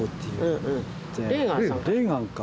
レーガンか。